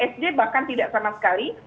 sd bahkan tidak sama sekali